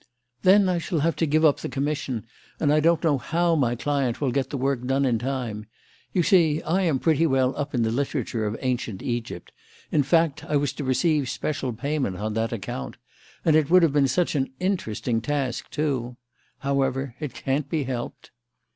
"Then I shall have to give up the commission, and I don't know how my client will get the work done in the time. You see, I am pretty well up in the literature of Ancient Egypt; in fact, I was to receive special payment on that account. And it would have been such an interesting task, too. However, it can't be helped."